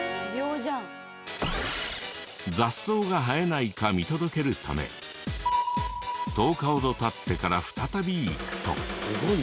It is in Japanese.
雑草が生えないか見届けるため１０日ほど経ってから再び行くと。